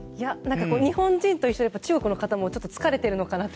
日本人と一緒で中国の方も疲れているのかなと。